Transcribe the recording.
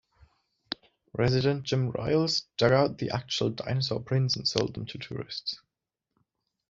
Resident Jim Ryals dug out the actual dinosaur prints and sold them to tourists.